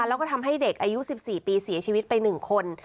แล้วก็ทำให้เด็กอายุ๑๔ปีเสียชีวิตไป๑คน